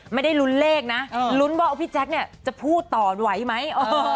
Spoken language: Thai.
ไม่ได้ลุ้นเลขนะลุ้นว่าพี่แจ๊คเนี่ยจะพูดต่อไหวไหม